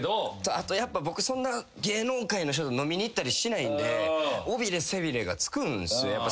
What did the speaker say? あと僕そんな芸能界の人と飲みに行ったりしないんで尾びれ背びれがつくんすよ。